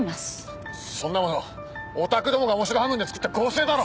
そんなものオタクどもが面白半分で作った合成だろ！